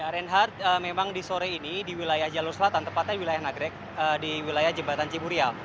reinhardt memang di sore ini di wilayah jalur selatan tepatnya wilayah nagrek di wilayah jembatan ciburial